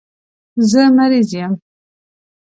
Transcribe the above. زه مریض یم.